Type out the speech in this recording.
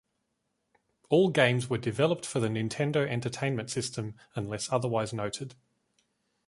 All games were developed for the Nintendo Entertainment System unless otherwise noted.